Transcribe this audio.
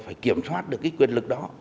phải kiểm soát được cái quyền lực đó